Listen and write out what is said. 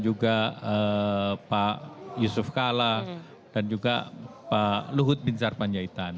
juga pak yusuf kala dan juga pak luhut bin sarpanjaitan